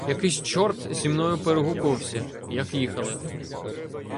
— Якийсь чорт зі мною перегукувався, як їхали.